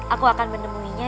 aku akan menemuinya